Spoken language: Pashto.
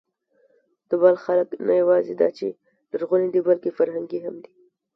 د بلخ خلک نه یواځې دا چې لرغوني دي، بلکې فرهنګي هم دي.